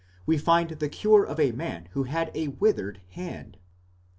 we find the cure of a man who had a withered hand.